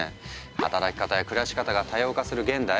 働き方や暮らし方が多様化する現代。